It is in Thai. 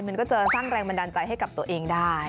มันก็จะสร้างแรงบันดาลใจให้กับตัวเองได้